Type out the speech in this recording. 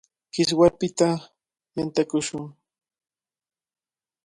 Kiswarpita yantakushun.